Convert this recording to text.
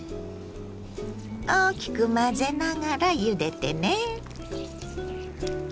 大きく混ぜながらゆでてね。